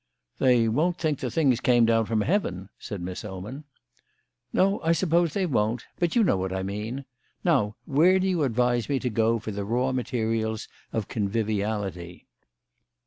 "They won't think the things came down from heaven," said Miss Oman. "No, I suppose they won't. But you know what I mean. Now, where do you advise me to go for the raw materials of conviviality?"